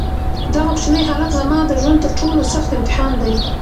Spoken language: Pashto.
دغه کوچنی هلک زما د ژوند تر ټولو سخت امتحان دی.